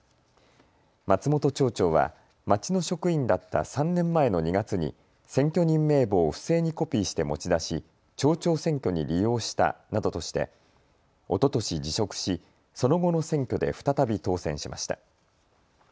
松本町長は町の職員だった３年前の２月に選挙人名簿を不正に持ち出して町長選挙に利用したなどとしておととし辞職し、その後の選挙で再び当選しました。